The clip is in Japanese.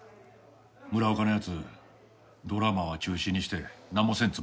村岡の奴ドラマは中止にしてなんもせんつもりかて。